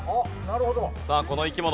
さあこの生き物。